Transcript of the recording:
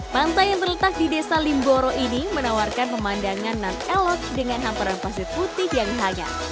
pantai yang terletak di desa limboro ini menawarkan pemandangan nar elok dengan hamparan pasir putih yang hangat